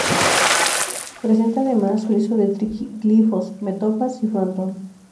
Presenta además friso de triglifos, metopas y frontón.